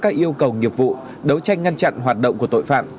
các yêu cầu nghiệp vụ đấu tranh ngăn chặn hoạt động của tội phạm